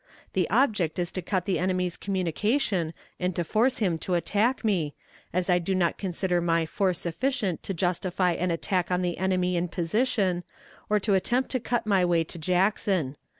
The object is to cut the enemy's communication and to force him to attack me, as I do not consider my force sufficient to justify an attack on the enemy in position, or to attempt to cut my way to Jackson.